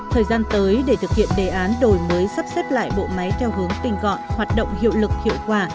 thời gian tới để thực hiện đề án đổi mới sắp xếp lại bộ máy theo hướng tình gọn hoạt động hiệu lực hiệu quả